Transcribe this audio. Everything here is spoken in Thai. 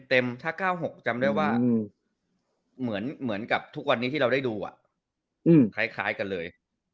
ถ้า๙๖จำได้ว่าเหมือนกับทุกวันนี้ที่เราได้ดูคล้ายกันเลย